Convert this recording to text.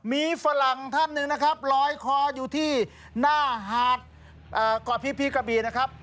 มีฝรั่งท่านหนึ่งนะครับลอยคออยู่ที่หน้าหาดเกาะพี่กระบีนะครับ